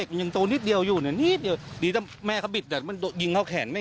เป็นคนไม่ได้เอาไข่